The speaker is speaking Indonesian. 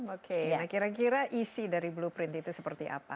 oke nah kira kira isi dari blueprint itu seperti apa